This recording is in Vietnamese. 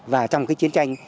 và trong cái chiến tranh